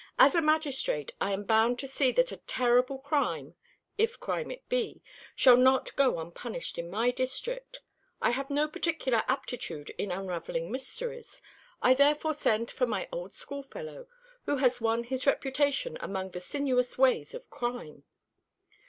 "As a magistrate I am bound to see that a terrible crime if crime it be shall not go unpunished in my district. I have no particular aptitude in unravelling mysteries. I therefore send for my old schoolfellow, who has won his reputation among the sinuous ways of crime."